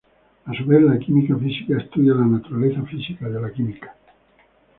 A su vez, la Química física estudia la naturaleza física de la química.